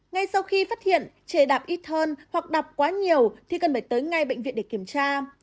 ngay sau khi phát hiện chè đạp ít hơn hoặc đọc quá nhiều thì cần phải tới ngay bệnh viện để kiểm tra